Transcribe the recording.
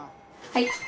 はい。